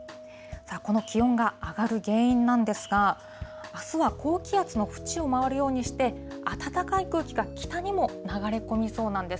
この気温が上がる原因なんですが、あすは高気圧の縁を回るようにして、暖かい空気が北にも流れ込みそうなんです。